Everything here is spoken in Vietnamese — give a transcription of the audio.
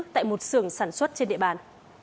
tại một sường sản xuất trên địa bàn